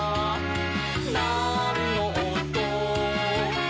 「なんのおと？」